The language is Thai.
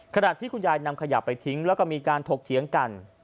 ขณะที่คุณยายนำขยะไปทิ้งแล้วก็มีการถกเถียงกัน